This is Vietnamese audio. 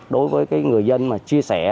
đối với người dân mà chia sẻ